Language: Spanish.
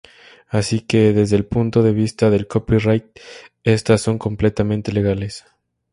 Así que, desde el punto de vista del copyright, estas son completamente legales.